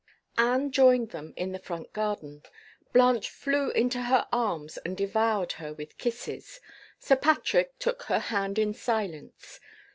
Anne joined them in the front garden. Blanche flew into her arms and devoured her with kisses. Sir Patrick took her hand in silence.